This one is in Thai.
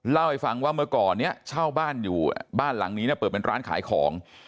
เล่าให้ฟังว่าเมื่อก่อนเนี่ยเช่าบ้านอยู่บ้านหลังนี้เนี่ยเปิดเป็นร้านขายของ